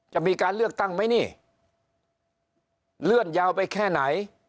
จะมีการเลือกตั้งไหมนี่เลื่อนยาวไปแค่ไหน